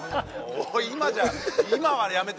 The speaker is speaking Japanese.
おい今じゃ。